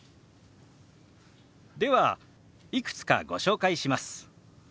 ではいくつかご紹介します。